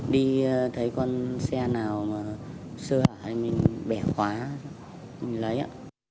đi thấy con xe nào mà xưa là mình bẻ khóa mình lấy ạ